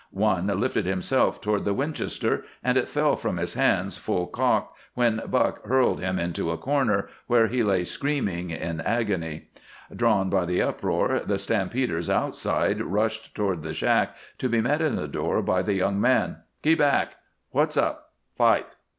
One lifted himself toward the Winchester, and it fell from his hands full cocked when Buck hurled him into a corner, where he lay screaming in agony. Drawn by the uproar, the stampeders outside rushed toward the shack to be met in the door by the young man. "Keep back!" "What's up!" "Fight!"